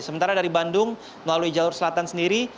sementara dari bandung melalui jalur selatan sendiri